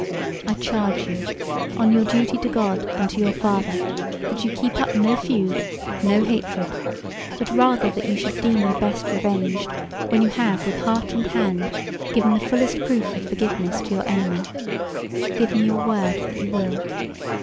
I charge you, on your duty to God and to your father, that you keep up no feud, no hatred, but rather that you should deem me best revenged, when you have with heart and hand, given the fullest proof of forgiveness to your enemy. Give me your word that you will."